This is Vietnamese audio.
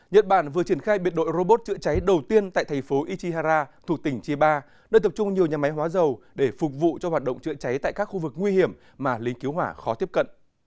nhật bản vừa triển khai biệt đội robot chữa cháy đầu tiên tại thành phố ichihara thuộc tỉnh chiba nơi tập trung nhiều nhà máy hóa dầu để phục vụ cho hoạt động chữa cháy tại các khu vực nguy hiểm mà lính cứu hỏa khó tiếp cận